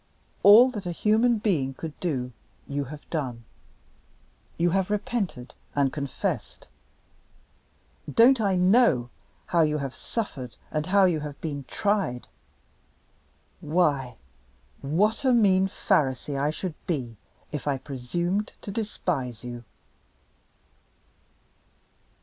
All that a human being could do you have done you have repented and confessed. Don't I know how you have suffered and how you have been tried! Why, what a mean Pharisee I should be if I presumed to despise you!"